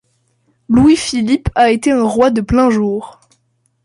Louis-Philippe a été un roi de plein jour.